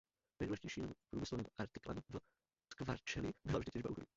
Nejdůležitějším průmyslovým artiklem v Tkvarčeli byla vždy těžba uhlí.